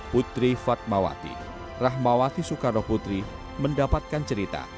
putri fatmawati rahmawati soekarno putri mendapatkan cerita